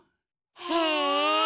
へえ！